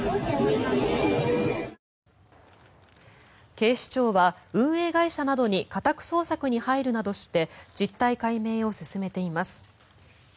警視庁は運営会社などに家宅捜索に入るなどして実態解明を進めています。